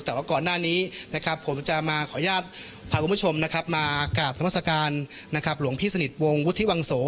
แต่ว่าก่อนหน้านี้ผมจะมาขออนุญาต